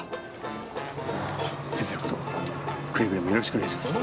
先生の事くれぐれもよろしくお願いします。